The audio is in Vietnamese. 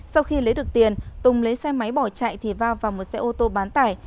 sau khi lấy được tiền tùng lấy xe máy bỏ chạy thì va vào một xe ô tô bán tải